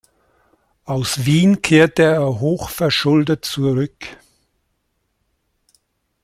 Aus Wien kehrte er hoch verschuldet zurück.